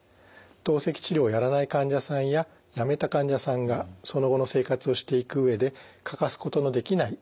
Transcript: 透析治療をやらない患者さんややめた患者さんがその後の生活をしていく上で欠かすことのできない大切な治療になります。